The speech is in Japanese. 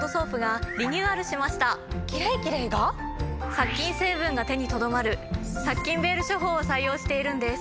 殺菌成分が手にとどまる殺菌ベール処方を採用しているんです。